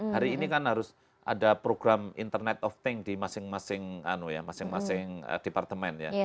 hari ini kan harus ada program internet of thing di masing masing departemen ya